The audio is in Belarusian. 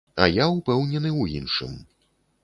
А я ўпэўнены ў іншым.